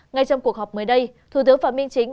ngay trong cuộc họp mới đây thủ tướng phạm minh chính